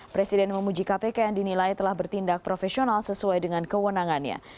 presiden memuji kpk yang dinilai telah bertindak profesional sesuai dengan kewenangannya